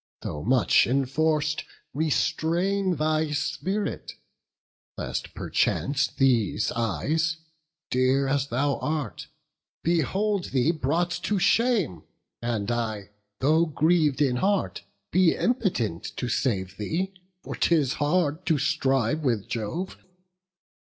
though much enforc'd, Restrain thy spirit, lest perchance these eyes, Dear as thou art, behold thee brought to shame; And I, though griev'd in heart, be impotent To save thee; for 'tis hard to strive with Jove.